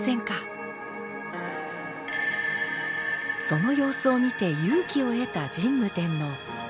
その様子を見て勇気を得た神武天皇。